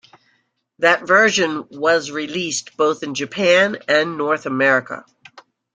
That version was released both in Japan and North America.